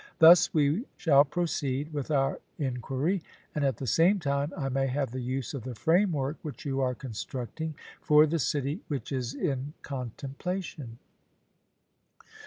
Thus we shall proceed with our enquiry, and, at the same time, I may have the use of the framework which you are constructing, for the city which is in contemplation.